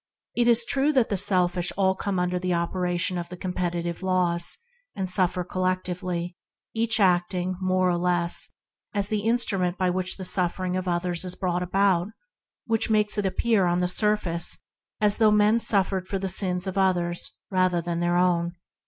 It is true that all the selfish come under the operation of the competitive laws and suffer collectively, each acting more or less as the instrument by which the suffering of others is brought about, and that this makes it appear on the surface as though men suffered for the sins of others rather than their own.